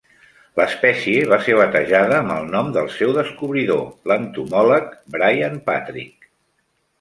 L'espècie va ser batejada amb el nom del seu descobridor, l'entomòleg Brian Patrick.